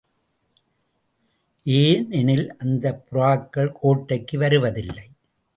ஏனெனில் அந்தப் புறாக்கள் கோட்டைக்கு வருவதில்லை.